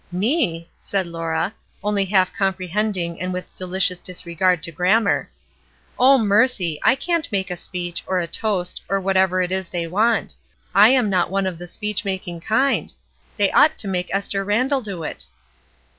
"Me!" said Lam a, only half comprehending and with delicious disregard to grammar. "Oh, mercy ! I can't make a speech, or a toast, or whatever it is they want. I am not one of the speech making kind. They ought to make Esther Randall do it."